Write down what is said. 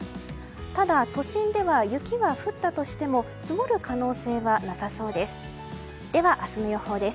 ただ、都心では雪は降ったとしても積もる可能性はなさそうです。